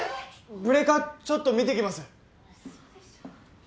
ブレーカーちょっと見てきます。